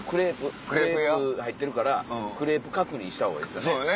クレープ入ってるからクレープ確認した方がいいですよね。